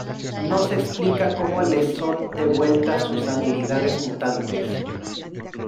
No se explica cómo les son devueltas sus habilidades mutantes.